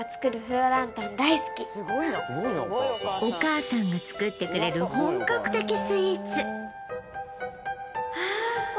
お母さんが作ってくれる本格的スイーツ